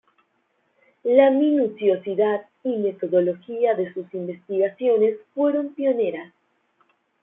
La minuciosidad y metodología de sus investigaciones fueron pioneras.